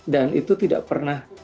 dan itu tidak pernah